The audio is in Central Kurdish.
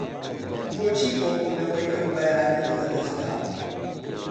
بۆچی کۆبوونەوەی ئەم بەیانییەت لەدەست دا؟